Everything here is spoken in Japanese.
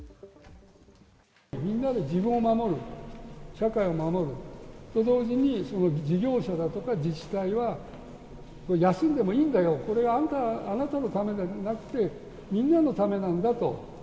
みんなで自分を守る、社会を守ると同時に、事業者だとか自治体は、休んでもいいんだよ、これがあなたのためではなくて、みんなのためなんだと。